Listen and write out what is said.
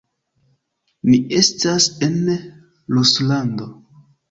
Ni estas en Ruslando.